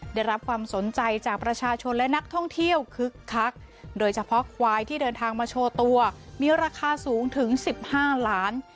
ได้รับความสนใจจากประชาชนและนักท่องเที่ยวคึกคักโดยเฉพาะควายที่เดินทางมาโชว์ตัวมีราคาสูงถึง๑๕ล้าน